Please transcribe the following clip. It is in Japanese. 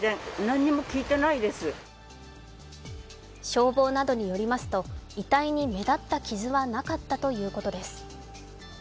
消防などによりますと、遺体に目立った傷はなかったということです。